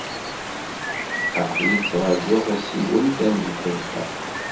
Aql-i ttrajuɣ asiwel tanezzayt-a.